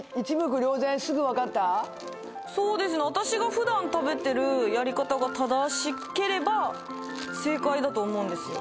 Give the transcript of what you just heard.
私がふだん食べてるやり方が正しければ正解だと思うんですよ